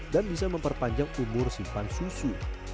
dan bisa memperpanjang umur simpan susu